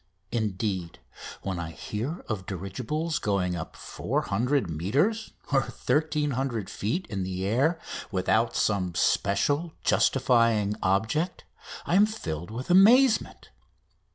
Indeed, when I hear of dirigibles going up 400 metres (1300 feet) in the air without some special justifying object I am filled with amazement.